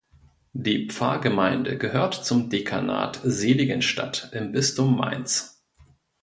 Die Pfarrgemeinde gehört zum Dekanat Seligenstadt im Bistum Mainz.